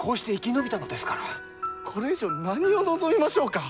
これ以上何を望みましょうか。